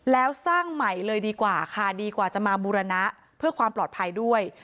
แล้วสร้างใหม่เลยดีกว่าค่ะดีกว่าจะมาบูรณะเพื่อความปลอดภัยด้วย